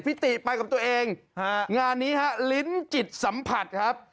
ติไปกับตัวเองฮะงานนี้ฮะลิ้นจิตสัมผัสครับ